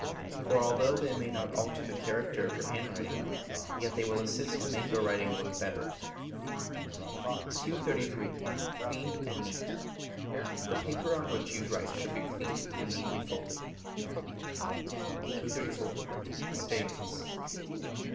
For although they may not alter the character of your handwriting, yet they will assist to make your writing look better. 233. Clean and Neat. The paper on which you write should be clean, and neatly folded. 234. Stains.